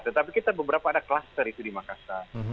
tetapi kita ada beberapa cluster itu di makassar